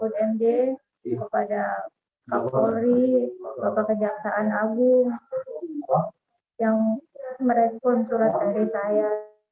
dan juga kepada pak polri bapak kejaksaan agung yang merespon surat dari saya